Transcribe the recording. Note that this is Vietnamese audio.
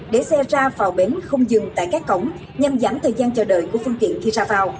để xe ra vào bến không dừng tại các cổng nhằm giảm thời gian chờ đợi của phương tiện khi ra vào